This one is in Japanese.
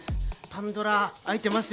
パンドラ開いてますよ。